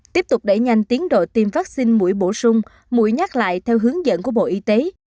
tiếp tục đẩy nhanh tiến độ tiêm vaccine mũi bổ sung mũi nhắc lại theo hướng dẫn của bộ y tế